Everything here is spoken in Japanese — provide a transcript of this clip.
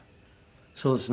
そうですね。